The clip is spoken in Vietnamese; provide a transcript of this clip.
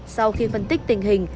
sau khi phân tích tình hình